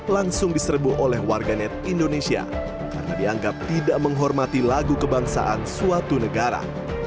langsung diserbu oleh warganet indonesia karena dianggap tidak menghormati lagu kebangsaan suatu negara